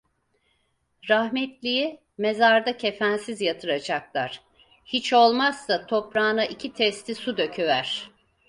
Rahmetliyi mezarda kefensiz yatıracaklar, hiç olmazsa toprağına iki testi su döküver…